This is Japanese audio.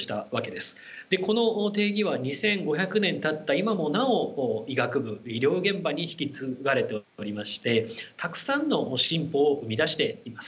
でこの定義は２，５００年たった今もなお医学部医療現場に引き継がれておりましてたくさんの進歩を生み出しています。